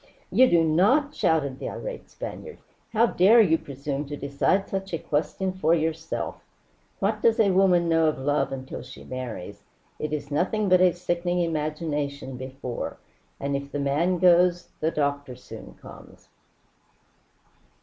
"You do not!" shouted the irate Spaniard. "How dare you presume to decide such a question for yourself? What does a woman know of love until she marries? It is nothing but a sickening imagination before; and if the man goes, the doctor soon comes."